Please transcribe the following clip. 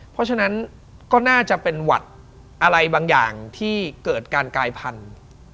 เพราะฉะนั้นก็น่าจะเป็นหวัดอะไรบางอย่างที่เกิดการกายพันธุ์